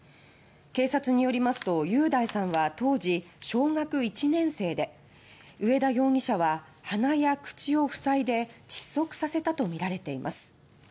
警察によりますと雄大さんは当時、小学１年生で上田容疑者は鼻や口を塞いで窒息させたとみられています。